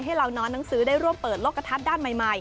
ให้เรานอนหนังสือได้ร่วมเปิดโลกกระทัดด้านใหม่